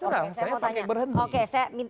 kan terserah saya pakai berhenti